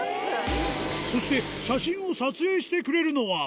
そして、写真を撮影してくれるのは。